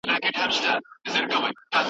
موږ کولای سو ډېر اتڼ وړاندي کړو.